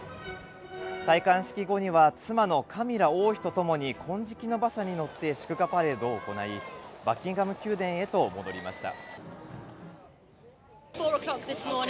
戴冠式後には、妻のカミラ王妃と共に、金色の馬車に乗って祝賀パレードを行い、バッキンガム宮殿へと戻りました。